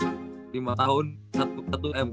dia pilih main dialogi oh for free